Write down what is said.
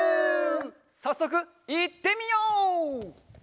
さっそくいってみよう！